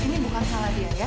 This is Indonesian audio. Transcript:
ini bukan salah dia ya